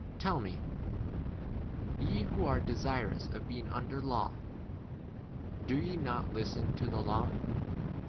Tell me, ye who are desirous of being under law, do ye not listen to the 22 law